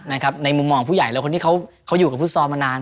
ในมุมมองของผู้ใหญ่และคนที่เขาอยู่กับฟุตซอลมานาน